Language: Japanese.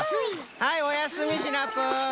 はいおやすみシナプー！